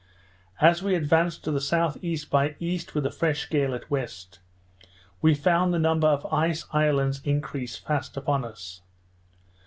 As we advanced to the S.E. by E. with a fresh gale at west, we found the number of ice islands increase fast upon us.